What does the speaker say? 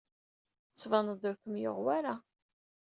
Tettbaned-d ur kem-yuɣ wara.